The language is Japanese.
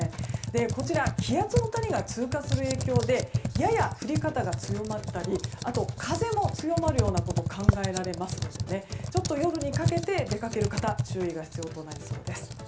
こちら気圧の谷が通過する影響でやや降り方が強まったりあと風も強まることが考えられますのでちょっと夜にかけて出かける方注意が必要となりそうです。